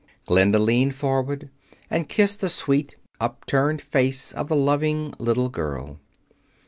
Glinda leaned forward and kissed the sweet, upturned face of the loving little girl.